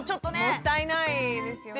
もったいないですよね。